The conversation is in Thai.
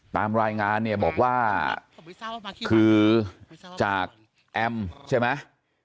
ตามรายงานเนี่ยบอกว่าคือจากแอมใช่ไหม